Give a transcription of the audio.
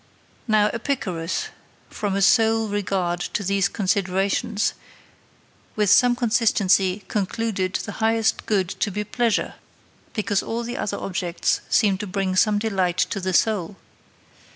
Now Epicurus, from a sole regard to these considerations, with some consistency concluded the highest good to be pleasure, because all the other objects seem to bring some delight to the soul.